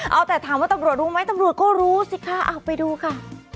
เอาแต่ถามว่าตำรวจรู้ไหมตำรวจก็รู้สิคะเอาไปดูค่ะ